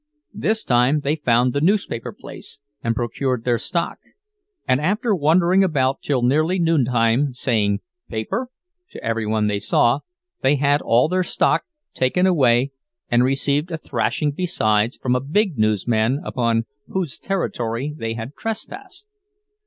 This time they found the newspaper place, and procured their stock; and after wandering about till nearly noontime, saying "Paper?" to every one they saw, they had all their stock taken away and received a thrashing besides from a big newsman upon whose territory they had trespassed.